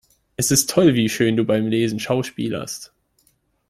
Es ist toll, wie schön du beim Lesen schauspielerst!